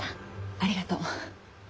ありがとう。